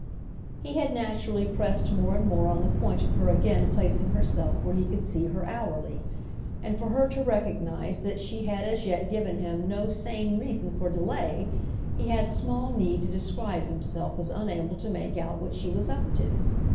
He had naturally pressed more and more on the point of her again placing herself where he could see her hourly, and for her to recognise that she had as yet given him no sane reason for delay he had small need to describe himself as unable to make out what she was up to.